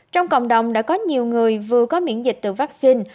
trong cộng đồng đã có nhiều người vừa có miễn dịch từ vaccine